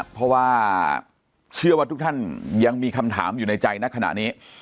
เพราะว่าเชื่อว่าทุกท่านยังมีคำถามอยู่ในใจณขณะนี้